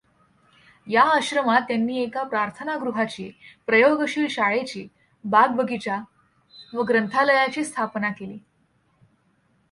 या आश्रमात त्यांनी एका प्रार्थना गृहाची, प्रयोग शील शाळेची, बागबगिचा व ग्रंथालयाची स्थापना केली.